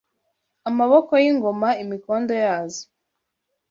Amaboko y’ingoma Imikondo yazo